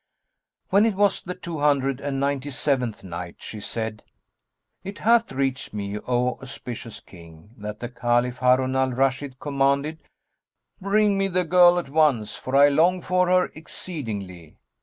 When it was the Two Hundred and Ninety seventh Night, She said, It hath reached me, O auspicious King, that the Caliph Harun al Rashid commanded, "Bring me the girl at once, for I long for her exceedingly."